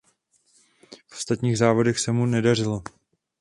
V ostatních závodech se mu nedařilo.